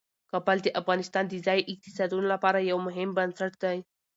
کابل د افغانستان د ځایي اقتصادونو لپاره یو مهم بنسټ دی.